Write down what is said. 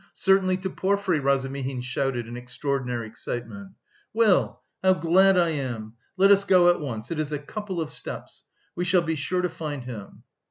Certainly to Porfiry," Razumihin shouted in extraordinary excitement. "Well, how glad I am. Let us go at once. It is a couple of steps. We shall be sure to find him."